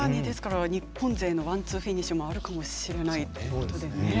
日本勢のワンツーフィニッシュもあるかもしれないですね。